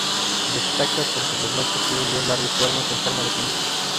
Destacan porque los machos tiene dos largos cuernos en forma de pinza.